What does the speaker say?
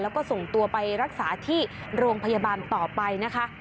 แล้วก็ส่งตัวไปรักษาที่โรงพยาบาลต่อไปนะคะ